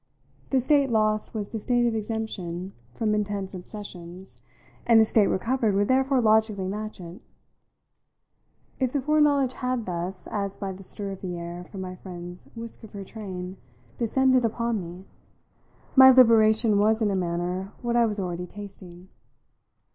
The state lost was the state of exemption from intense obsessions, and the state recovered would therefore logically match it. If the foreknowledge had thus, as by the stir of the air from my friend's whisk of her train, descended upon me, my liberation was in a manner what I was already tasting.